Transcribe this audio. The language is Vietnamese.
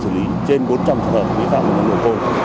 sử lý trên bốn trăm linh trường hợp vi phạm về nồng đội côn